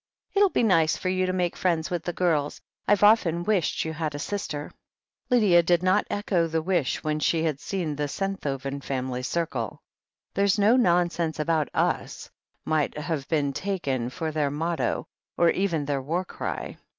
"It'll be nice for you to make friends with the girls. I've often wished you had a sister." Lydia did not echo the wish when she had seen the Senthoven family circle. "There's no nonsense about us," might have been taken for their motto, or even their war cry.